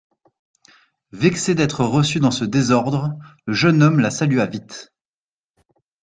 Vexé d'être reçu dans ce désordre, le jeune homme la salua vite.